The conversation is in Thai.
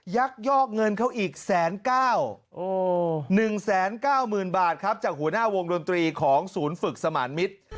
ยักยอกเงินเขาอีก๑๙๑๙๐๐๐บาทครับจากหัวหน้าวงดนตรีของศูนย์ฝึกสมานมิตร